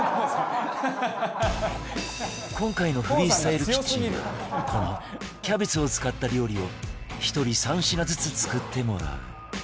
今回のフリースタイルキッチンはこのキャベツを使った料理を１人３品ずつ作ってもらう